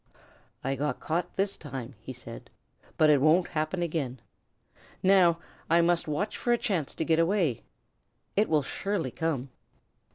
"I got caught this time," he said, "but it won't happen again. Now I must watch for a chance to get away. It will surely come."